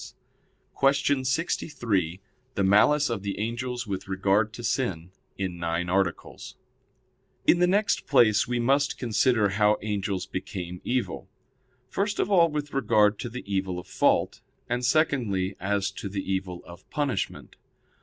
_______________________ QUESTION 63 THE MALICE OF THE ANGELS WITH REGARD TO SIN (In Nine Articles) In the next place we must consider how angels became evil: first of all with regard to the evil of fault; and secondly, as to the evil of punishment.